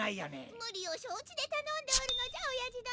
ムリをしょう知でたのんでおるのじゃおやじ殿。